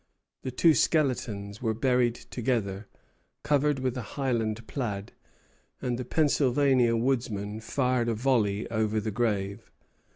The two skeletons were buried together, covered with a Highland plaid, and the Pennsylvanian woodsmen fired a volley over the grave.